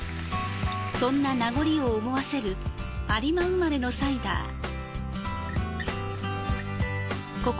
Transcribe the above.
そんな名残を思わせる有馬生まれのサイダー。